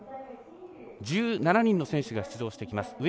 １７人の選手が出場してきます。